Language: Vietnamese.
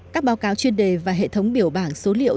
các báo cáo chuyên đề và hệ thống biểu bảng số liệu